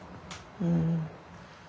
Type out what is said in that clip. うん。